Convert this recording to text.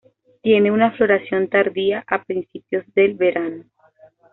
Tiene una floración tardía a principios del verano.